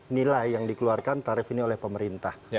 nilai yang dikeluarkan tarif ini oleh pemerintah